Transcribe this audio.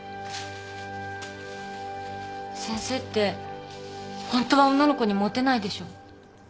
先生ってホントは女の子にもてないでしょう？